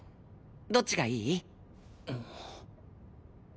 どっちがいい？